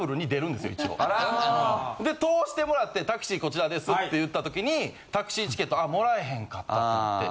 一応。で通してもらって「タクシーこちらです」って言った時にタクシーチケットあ貰えへんかったってなって。